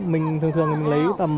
mình thường thường lấy tầm